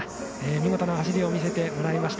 見事な走りを見せてもらいました。